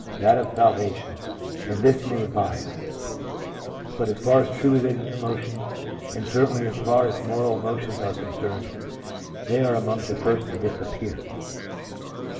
that of salvation, and this may abide ; but as far as true religious emotions, and certainly as far as moral emotions are concerned, they are among the first to disappear.